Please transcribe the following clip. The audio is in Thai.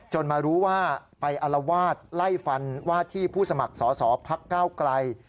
มารู้ว่าไปอลวาดไล่ฟันว่าที่ผู้สมัครสอสอพักก้าวไกล